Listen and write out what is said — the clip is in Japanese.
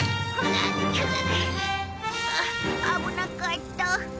あ危なかった。